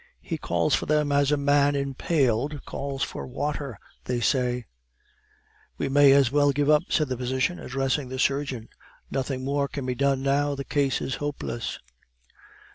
He calls for them as a man impaled calls for water, they say " "We may as well give up," said the physician, addressing the surgeon. "Nothing more can be done now; the case is hopeless."